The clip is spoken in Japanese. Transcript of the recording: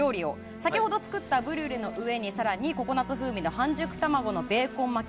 先ほど作ったブリュレの上に更にココナツ風味の半熟卵のベーコン巻き。